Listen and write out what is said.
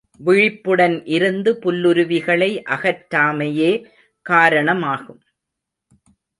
விழிப்புடன் இருந்து புல்லுருவிகளை அகற்றாமையே காரணமாகும்.